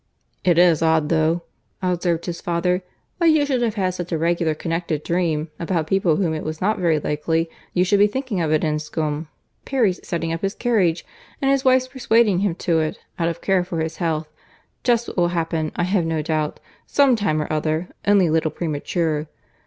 "It is odd though," observed his father, "that you should have had such a regular connected dream about people whom it was not very likely you should be thinking of at Enscombe. Perry's setting up his carriage! and his wife's persuading him to it, out of care for his health—just what will happen, I have no doubt, some time or other; only a little premature.